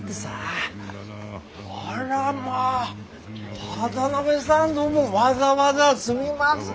あらまあ渡辺さんどうもわざわざすみません。